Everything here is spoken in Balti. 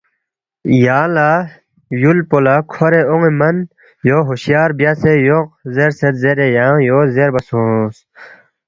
یانگ لہ یُول پو لہ کھورے اون٘ے من یو ہُشیار بیاسے یوق زیرسید زیرے یانگ یو زیربا سونگ